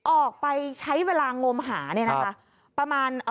ออกไปใช้เวลางมหา